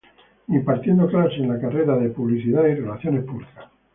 Impartiendo clases en la carrera de Publicidad y Relaciones Públicas.